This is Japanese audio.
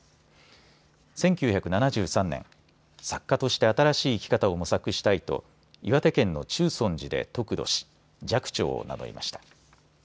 １９７３年、作家として新しい生き方を模索したいと岩手県の中尊寺で得度し寂聴を名乗りました。